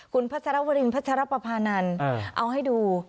คุณพระศรพริมพระศรพพานันเอาให้ดู